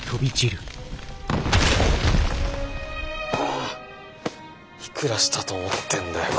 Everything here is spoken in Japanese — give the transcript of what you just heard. あいくらしたと思ってんだよ